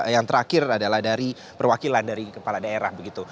yang terakhir adalah dari perwakilan dari kepala daerah begitu